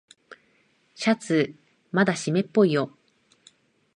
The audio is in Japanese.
シャツまだしめっぽいよ。